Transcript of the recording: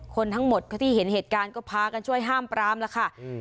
คนทั้งหมดที่เห็นเหตุการณ์ก็พากันช่วยห้ามปรามแล้วค่ะอืม